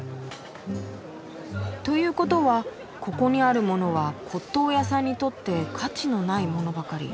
ということはここにあるものは骨董屋さんにとって価値のないものばかり。